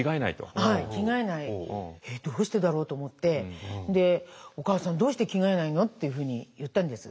どうしてだろうと思って「お母さんどうして着替えないの？」っていうふうに言ったんです。